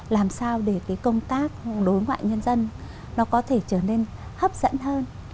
làm sao để cái công tác đối ngoại nhân dân nó có thể trở nên hấp dẫn hơn